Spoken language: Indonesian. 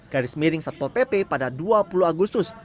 garis miring satpol pp pada dua puluh agustus